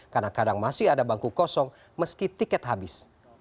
karena kadang masih ada bangku kosong meski tiket habis